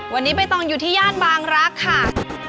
วันนี้ใบตองอยู่ที่ย่านบางรักค่ะ